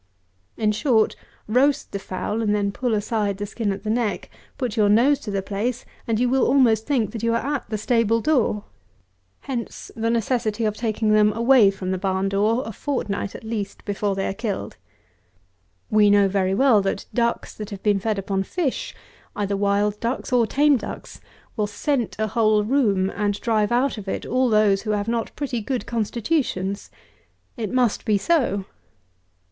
In short, roast the fowl, and then pull aside the skin at the neck, put your nose to the place, and you will almost think that you are at the stable door. Hence the necessity of taking them away from the barn door a fortnight, at least, before they are killed. We know very well that ducks that have been fed upon fish, either wild ducks, or tame ducks, will scent a whole room, and drive out of it all those who have not pretty good constitutions. It must be so.